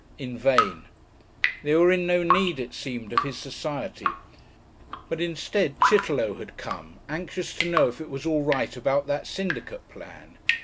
In vain. They were in no need, it seemed, of his society. But instead Chitterlow had come, anxious to know if it was all right about that syndicate plan.